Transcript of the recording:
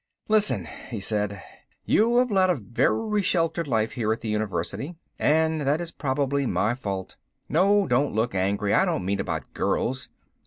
"Listen," he said. "You have led a very sheltered life here at the university, and that is probably my fault. No, don't look angry, I don't mean about girls.